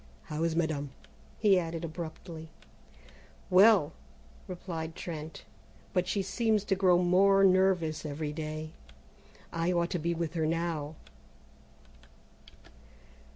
How is madame?" he added abruptly. "Well," replied Trent, "but she seems to grow more nervous every day. I ought to be with her now."